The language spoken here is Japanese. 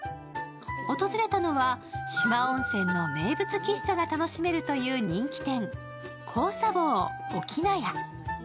訪れたのは四万温泉の名物喫茶が楽しめるという人気店香茶房おきなや。